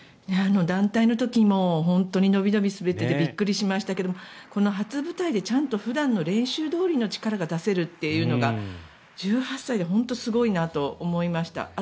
団体の時も本当に伸び伸び滑っててびっくりしましたけどこの初舞台でちゃんと普段の練習どおりの力を出せるっていうのが１８歳で本当にすごいなと思いました。